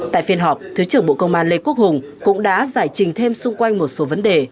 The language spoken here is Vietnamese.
tại phiên họp thứ trưởng bộ công an lê quốc hùng cũng đã giải trình thêm xung quanh một số vấn đề